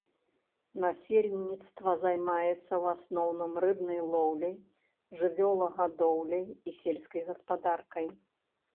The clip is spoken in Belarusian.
Насельніцтва займаецца ў асноўным рыбнай лоўляй, жывёлагадоўляй і сельскай гаспадаркай.